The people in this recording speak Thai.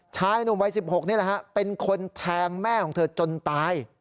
ชายหนุ่มวัย๑๖นี่แหละฮะเป็นคนแทงแม่ของเธอจนตาย